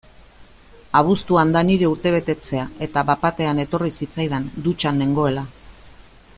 Abuztuan da nire urtebetetzea eta bat-batean etorri zitzaidan, dutxan nengoela.